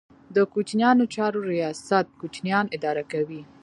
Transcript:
د کوچیانو چارو ریاست کوچیان اداره کوي